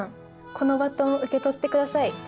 このバトン受け取って下さい。